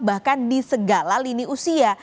bahkan di segala lini usia